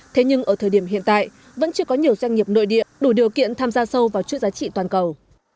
thế nhưng ở thời điểm hiện tại vẫn chưa có nhiều doanh nghiệp nội địa đủ điều kiện tham gia sâu vào chuỗi giá trị toàn cầu